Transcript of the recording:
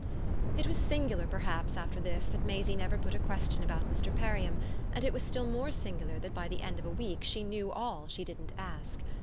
It was singular perhaps after this that Maisie never put a question about Mr. Perriam, and it was still more singular that by the end of a week she knew all she didn't ask.